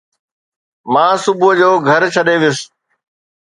مان صبح جو گهر ڇڏي ويس